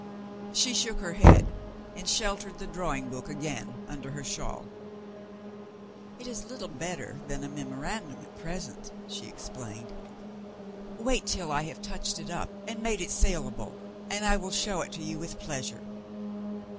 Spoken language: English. She shook her head, and sheltered the drawing book again under her shawl. "It is little better than a memorandum at present," she explained. "Wait till I have touched it up, and made it saleable and I will show it to you with pleasure.